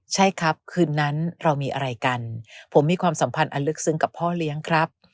ใช่ครับคืนนั้นเรามีอะไรกันผมมีความสัมพันธ์อันลึกซึ้งกับพ่อเลี้ยงครับ